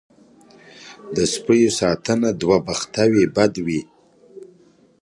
دې سپیو ساتنه دوه بخته وي بد وي.